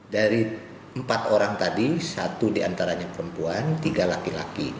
dari empat orang tadi satu diantaranya perempuan tiga laki laki